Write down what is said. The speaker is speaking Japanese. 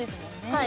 はい。